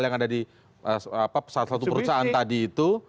yang ada di salah satu perusahaan tadi itu